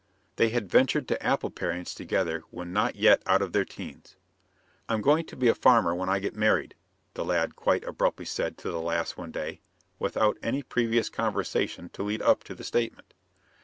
They had ventured to apple parings together when not yet out of their 'teens. "I'm going to be a farmer when I get married," the lad quite abruptly said to the lass one day, without any previous conversation to lead up to the statement.